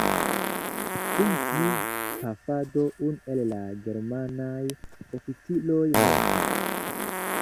Dum tiu pafado unu el la germanaj oficiroj mortis.